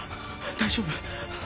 大丈夫。